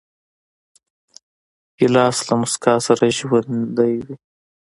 ګیلاس له موسکا سره ژوندی وي.